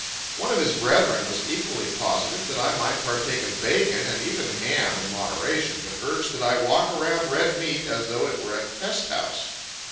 One of his brethren was equally positive that I might partake of bacon and even ham in moderation, but urged that I walk around red meat as though it were a pesthouse.